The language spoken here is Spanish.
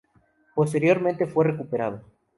Posteriormente, fue recuperado.